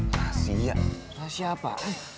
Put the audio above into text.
rahasia rahasia apa